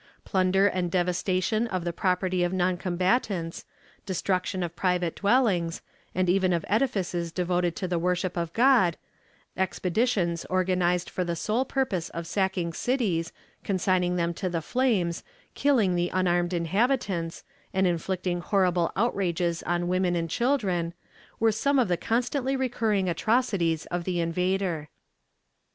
Plunder and devastation of the property of non combatants, destruction of private dwellings, and even of edifices devoted to the worship of God, expeditions organized for the sole purpose of sacking cities, consigning them to the flames, killing the unarmed inhabitants, and inflicting horrible outrages on women and children, were some of the constantly recurring atrocities of the invader.